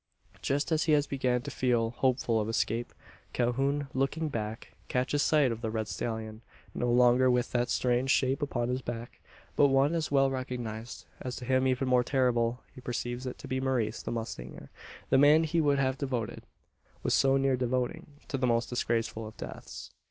Just as he has begun to feel hopeful of escape, Calhoun, looking back, catches sight of the red stallion; no longer with that strange shape upon his back, but one as well recognised, and to him even more terrible. He perceives it to be Maurice, the mustanger the man he would have devoted was so near devoting to the most disgraceful of deaths!